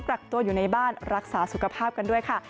กักตัวอยู่ในบ้านรักษาสุขภาพกันด้วยค่ะ